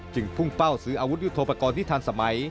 พุ่งเป้าซื้ออาวุธยุทธโปรกรณ์ที่ทันสมัย